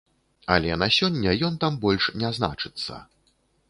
Але на сёння ён там больш не значыцца.